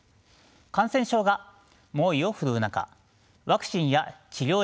感染症が猛威を振るう中ワクチンや治療薬の配分